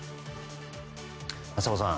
浅尾さん